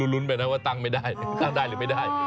ลุ้นไปนะว่าตั้งไม่ได้ตั้งได้หรือไม่ได้